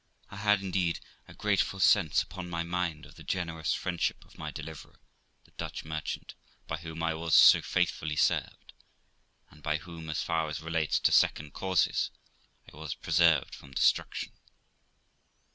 I had, indeed, a grateful sense upon my mind of the generous friendship of my deliverer, the Dutch THE LIFE OF ROXANA 265 merchant, by whom I was so faithfully served, and by whom, as far as relates to second causes, I was preserved from destruction.